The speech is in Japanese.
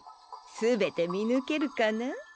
すべてみぬけるかな？